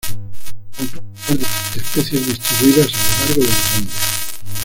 Este incluye más de veinte especies distribuidas a lo largo de los Andes.